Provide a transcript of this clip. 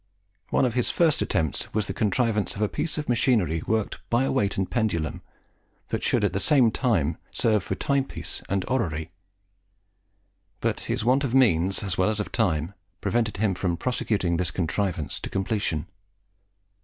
One of his first attempts was the contrivance of a piece of machinery worked by a weight and a pendulum, that should at the same time serve for a timepiece and an orrery; but his want of means, as well as of time, prevented him prosecuting this contrivance to completion.